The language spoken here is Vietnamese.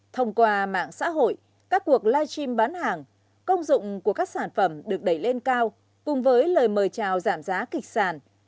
thông qua mạng xã hội các cuộc live stream bán hàng công dụng của các sản phẩm được đẩy lên cao cùng với lời mời chào giảm giá kịch sàn